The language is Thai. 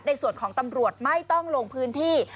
ในส่วนของตำรวจไม่ต้องลงพื้นที่